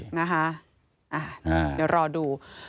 เดี๋ยวรอดู